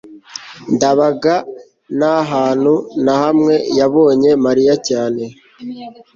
ndabaga nta hantu na hamwe yabonye mariya cyane